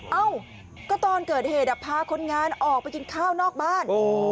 เอ้าก็ตอนเกิดเหตุพาคนงานออกไปกินข้าวนอกบ้าน